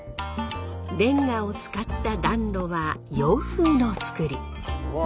レンガを使った暖炉は洋風の造り。